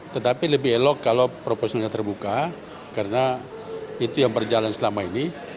tetapi lebih elok kalau proporsional terbuka karena itu yang berjalan selama ini